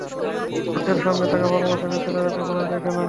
চোখের সামনে থাকা ভালোবাসাকে ছেলেরা কখনোই দেখে না।